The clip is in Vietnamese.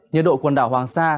nhật độ quần đảo hoàng sa